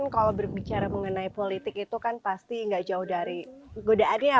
kalau berbicara mengenai politik itu kan pasti nggak jauh dari godaannya